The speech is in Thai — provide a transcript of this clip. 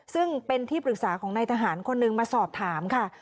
ซึ่งเป็นที่ปรึกษาของนายทหารคนหนึ่งมาสอบถามค่ะ